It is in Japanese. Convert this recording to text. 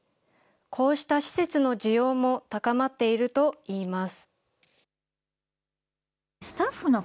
こうした施設の需要も高まっているといいます。